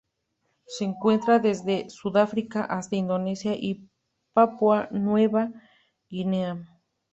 Se encuentra desde Sudáfrica hasta Indonesia y Papúa Nueva Guinea.